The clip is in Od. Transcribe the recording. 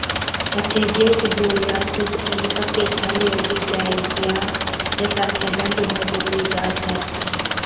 پڇي جيهچ گوڙهِيا سُوڪتي پڪي ڇالي هُتِي جائي هِتِيا ، جڪا ۾ گند ڀرجتِي جا ڇَي